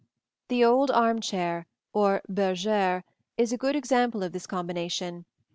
The old arm chair, or bergère, is a good example of this combination.